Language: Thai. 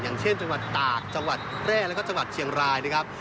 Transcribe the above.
อย่างเช่นจังหวัดตากจังหวัดแร่แล้วก็จังหวัดเชียงรายนะครับ